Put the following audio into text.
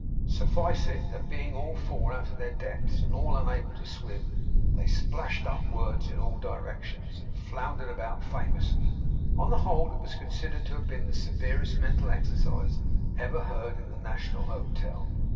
Suffice it, that being all four out of their depths, and all unable to swim, they splashed up words in all directions, and floundered about famously. On the whole, it was considered to have been the severest mental exercise ever heard in the National Hotel.